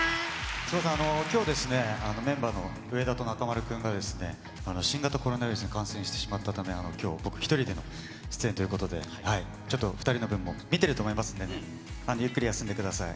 きょう、メンバーの上田と中丸君が、新型コロナウイルスに感染してしまったため、きょう、僕１人での出演ということで、ちょっと２人の分も、見てると思いますんで、ゆっくり休んでください。